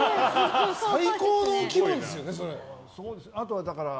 最高の気分ですよね、それ。